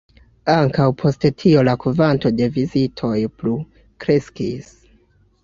Ankaŭ post tio la kvanto de vizitoj plu kreskis.